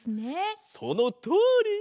そのとおり！